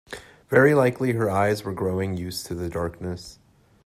Very likely her eyes were growing used to the darkness.